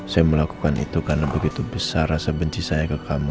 saya melakukan itu karena begitu besar rasa benci saya ke kamu